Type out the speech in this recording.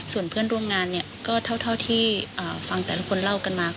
ส่วนเพื่อนร่วมงานเนี่ยก็เท่าที่ฟังแต่ละคนเล่ากันมา